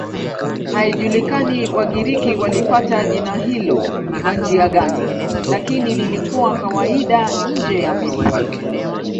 Haijulikani Wagiriki walipata jina hilo kwa njia gani, lakini lilikuwa kawaida nje ya Misri.